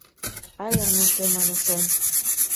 Ай, Анушем, Анушем!